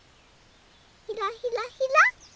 ひらひらひら。